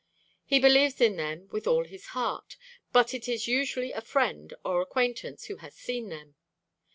He believes in them with all his heart, but it is usually a friend or acquaintance who has seen them.